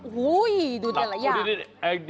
ดูเนี่ยหลายอย่าง